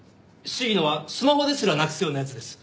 鴫野はスマホですらなくすような奴です。